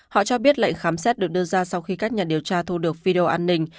họ cho biết lệnh khám xét được đưa ra sau khi các nhà điều tra thu được video an ninh